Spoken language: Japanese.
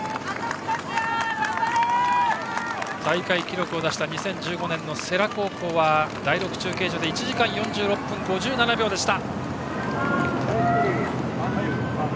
大会記録を出した２０１５年の世羅高校は第６中継所で１時間４６分５７秒でした。